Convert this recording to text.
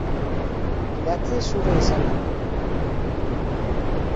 Idatzi zure izena.